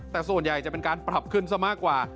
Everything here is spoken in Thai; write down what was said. แต่ส่วนใหญ่จะเป็นการปรับขึ้นซะมากกว่า